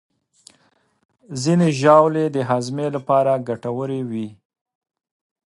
ځینې ژاولې د هاضمې لپاره ګټورې وي.